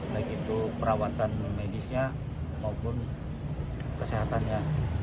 baik itu perawatan medisnya maupun kesehatannya